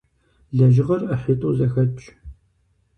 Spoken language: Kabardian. Лэжьыгъэр ӏыхьитӏу зэхэтщ.